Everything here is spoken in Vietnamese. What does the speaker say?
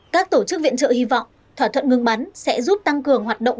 các tổ chức viện trợ hy vọng thỏa thuận ngừng bắn sẽ giúp tăng cường hoạt động